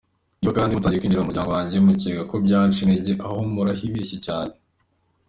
Niba kandi mutangiye kwinjira mu muryango wanjye mukeka ko byanca intege aho murahibeshye cyane.